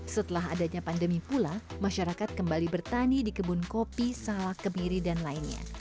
setelah adanya pandemi pula masyarakat kembali bertani di kebun kopi salak kebiri dan lainnya